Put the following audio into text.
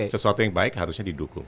sesuatu yang baik harusnya didukung